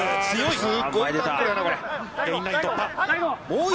強い。